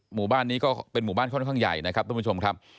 หมู่บ้านนี้ก็เป็นหมู่บ้านค่อนข้างใหญ่นะครับทุกผู้ชมครับ